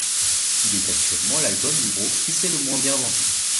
Il est actuellement l'album du groupe qui s'est le moins bien vendu.